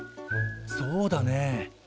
そうだね。